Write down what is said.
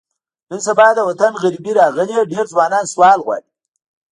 نن سبا په وطن غریبي راغلې، ډېری ځوانان سوال غواړي.